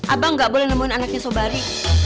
abang nggak boleh nemuin anaknya sobari